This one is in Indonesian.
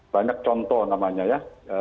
banyak contoh namanya ya